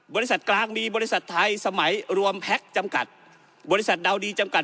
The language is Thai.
บริษัทกลางมีบริษัทไทยสมัยรวมแพ็คจำกัดบริษัทดาวดีจำกัด